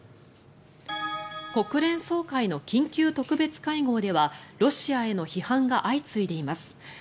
国連総会の緊急特別会合ではロシアへの批判が相次いでいます。